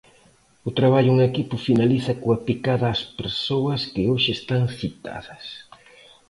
O traballo en equipo finaliza coa picada ás persoas que hoxe están citadas.